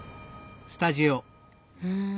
うん。